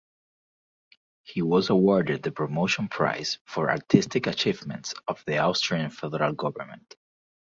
He was awarded the Promotion Prize for Artistic Achievements of the Austrian Federal Government.